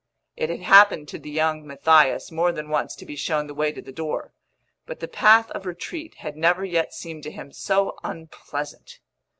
It had happened to the young Matthias more than once to be shown the way to the door, but the path of retreat had never yet seemed to him so unpleasant.